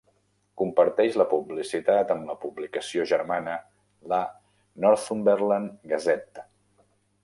Comparteix la publicitat amb la publicació germana, la "Northumberland Gazette".